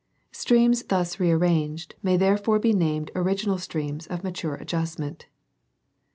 Streams thus re arranged may therefore be named original streams of mature adjustment.